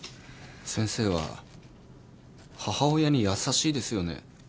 先生は母親に優しいですよね。